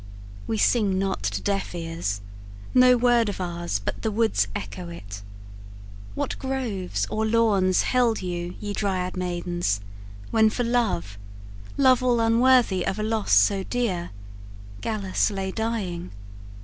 We sing not to deaf ears; no word of ours But the woods echo it. What groves or lawns Held you, ye Dryad maidens, when for love Love all unworthy of a loss so dear Gallus lay dying?